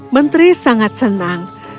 menteri sangat senang